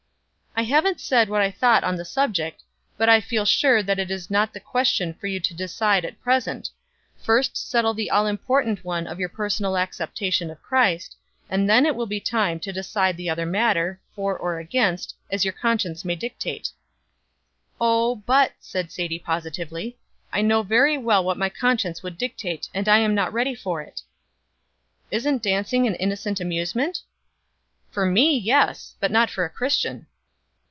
"I haven't said what I thought on that subject, but I feel sure that it is not the question for you to decide at present; first settle the all important one of your personal acceptation of Christ, and then it will be time to decide the other matter, for or against, as your conscience may dictate." "Oh, but," said Sadie, positively, "I know very well what my conscience would dictate, and I am not ready for it." "Isn't dancing an innocent amusement?" "For me yes, but not for a Christian."